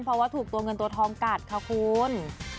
เพราะว่าถูกตัวเงินตัวทองกัดค่ะคุณ